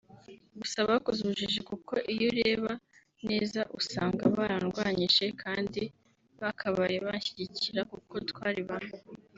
gusa bakoze ubujiji kuko iyo ureba neza usanga barandwanyije kandi bakabaye banshyigikira kuko twari bamwe